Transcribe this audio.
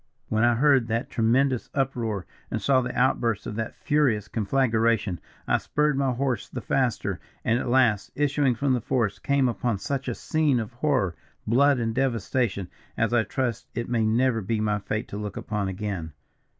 "When I heard that tremendous uproar, and saw the outburst of that furious conflagration, I spurred my horse the faster, and at last, issuing from the forest, came upon such a scene of horror, blood and devastation, as I trust it may never be my fate to look upon again.